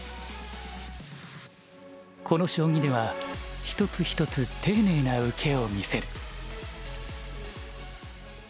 この将棋では一つ一つ丁寧な受けを見せる。